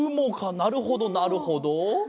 なるほどなるほど。